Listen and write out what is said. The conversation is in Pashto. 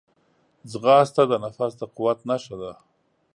ځغاسته د نفس د قوت نښه ده